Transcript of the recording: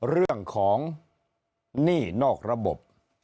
เรื่องของหนี้นอกระบบ